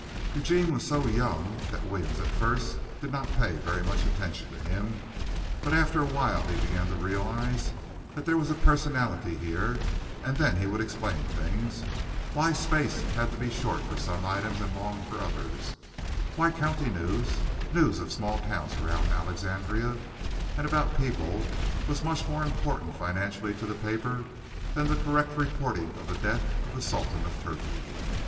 Eugene was so young that Williams at first did not pay very much attention to him, but after a while he began to realize that there was a personality here, and then he would explain things, why space had to be short for some items and long for others, why county news, news of small towns around Alexandria, and about people, was much more important financially to the paper than the correct reporting of the death of the sultan of Turkey.